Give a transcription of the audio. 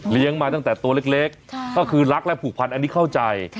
มาตั้งแต่ตัวเล็กก็คือรักและผูกพันอันนี้เข้าใจ